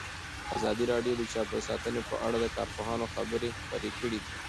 ازادي راډیو د چاپیریال ساتنه په اړه د کارپوهانو خبرې خپرې کړي.